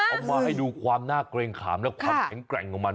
เอามาให้ดูความน่าเกรงขามและความแข็งแกร่งของมัน